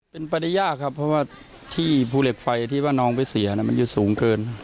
เป็นไปได้ยากครับเพราะว่าที่ภูเหล็กไฟที่ว่าน้องไปเสียมันจะสูงเกิน